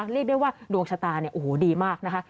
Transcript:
เรียกได้ว่าดวงชะตาดีมากนะคะ